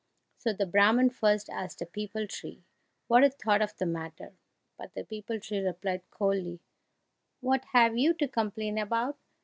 So the Brahman first asked a pipal tree what it thought of the matter, but the pipal tree replied coldly, "What have you to complain about?